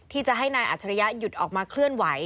ที่จะให้นายอัจฉริยะหยุดออกมาเคลื่อนไหว